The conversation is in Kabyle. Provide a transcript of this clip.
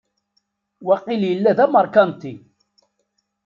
Waqil yella d ameṛkanti.